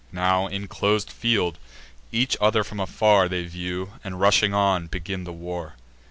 Now, in clos'd field, each other from afar They view; and, rushing on, begin the war.